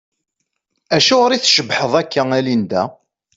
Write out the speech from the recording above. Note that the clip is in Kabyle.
Acuɣeṛ i tcebbḥeḍ akka a Linda?